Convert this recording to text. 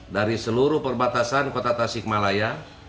dari seluruh perbatasan kota tasikmalaya